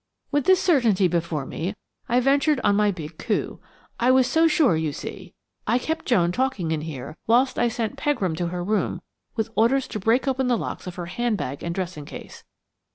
"With this certainty before me, I ventured on my big coup. I was so sure, you see. I kept Joan talking in here whilst I sent Pegram to her room with orders to break open the locks of her hand bag and dressing case.